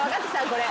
これ。